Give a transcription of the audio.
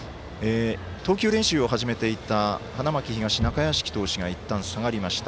投球練習を始めていた花巻東、中屋敷投手がいったん下がりました。